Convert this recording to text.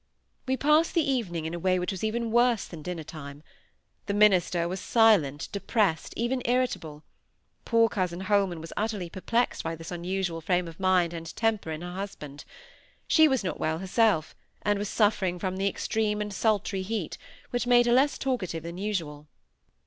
We passed the evening in a way which was even worse than dinner time. The minister was silent, depressed, even irritable. Poor cousin Holman was utterly perplexed by this unusual frame of mind and temper in her husband; she was not well herself, and was suffering from the extreme and sultry heat, which made her less talkative than usual.